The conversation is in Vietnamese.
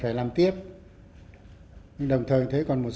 ý kiến chung đều nói là phối hợp tốt